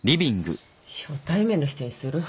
初対面の人にする話か？